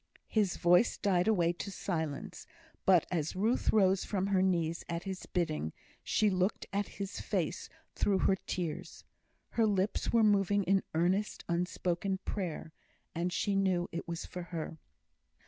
His voice died away to silence; but as Ruth rose from her knees at his bidding, she looked at his face through her tears. His lips were moving in earnest, unspoken prayer, and she knew it was for her.